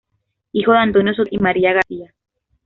Hijo de Antonio Sotomayor y María García.